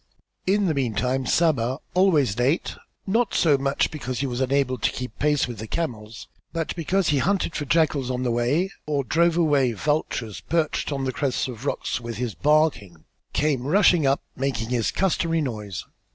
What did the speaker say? In the meantime Saba, always late not so much because he was unable to keep pace with the camels, but because he hunted for jackals on the way, or drove away vultures perched on the crests of rocks with his barking came rushing up, making his customary noise.